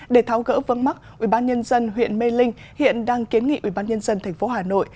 để tháo gỡ vấn mắc ubnd huyện mê linh hiện đang kiến nghị ubnd thành phố hà nội